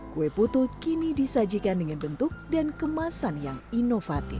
kue putu kini disajikan dengan bentuk dan kemasan yang inovatif